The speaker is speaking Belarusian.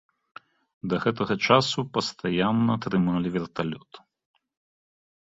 Да гэтага часу пастаянна трымалі верталёт.